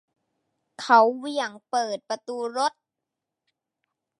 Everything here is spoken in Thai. เขาเหวี่ยงเปิดประตูรถ